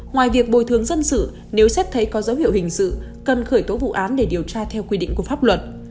ngoài việc bồi thường dân sự nếu xét thấy có dấu hiệu hình sự cần khởi tố vụ án để điều tra theo quy định của pháp luật